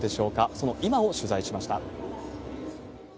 その今を取材しました。